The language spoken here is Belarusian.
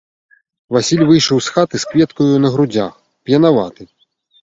Васіль выйшаў з хаты з кветкаю на грудзях, п'янаваты.